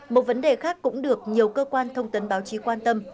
một vấn đề khác cũng được nhiều cơ quan thông tấn báo chí quan tâm